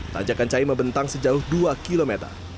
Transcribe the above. tanjakancai membentang sejauh dua km